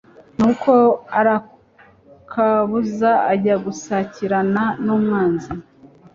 nuko arakabuza ajya gusakirana n'umwanzi.